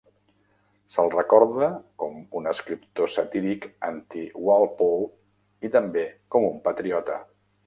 Se'l recorda com un escriptor satíric anti-Walpole i també com un patriota.